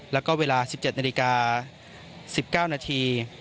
แล้วก็เวลา๑๗นาฬิกา๑๙นาที